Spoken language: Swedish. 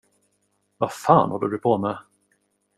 Vad fan håller du på med?